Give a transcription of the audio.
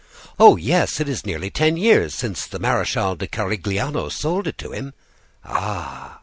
"Oh, yes! It is nearly ten years since the Marechal de Carigliano sold it to him." "Ah!"